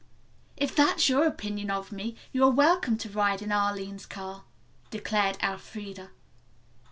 "If that's your opinion of me you are welcome to ride in Arline's car," declared Elfreda.